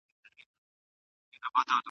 لوښي د کار وروسته پاک کړئ.